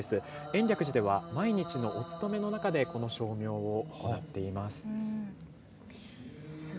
延暦寺は毎日のお勤めの中でこの声明をやっています。